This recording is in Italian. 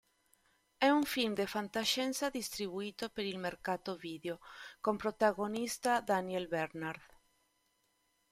È un film di fantascienza distribuito per il mercato video, con protagonista Daniel Bernhardt.